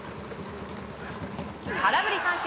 空振り三振。